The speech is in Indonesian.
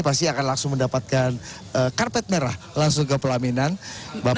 pasti akan langsung mendapatkan karpet merah langsung ke pelaminan bapak